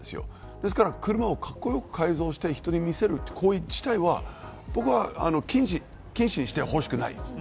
ですから、車をかっこよく改造して人に見せる行為自体は禁止にしてはほしくないです。